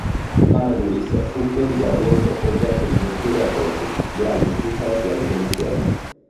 Panagulis fu quotidianamente oggetto di torture atroci durante tutta la sua detenzione.